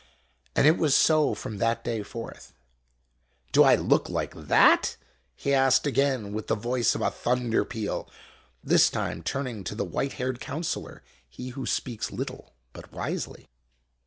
And it was so from that day forth. "Do I look like that? ' he asked again, with the voice of a thunder peal, this time turning to the white haired counselor, he who speaks little but wisely.